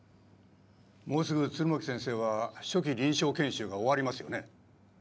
もうすぐ弦巻先生は初期臨床研修が終わりますよね